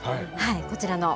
こちらの。